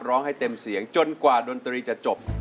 ร้องให้เต็มเสียงจนกว่าดนตรีจะจบ